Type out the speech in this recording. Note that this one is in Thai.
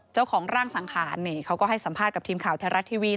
เจ้าของร่างสังขารนี่เขาก็ให้สัมภาษณ์กับทีมข่าวแท้รัฐทีวี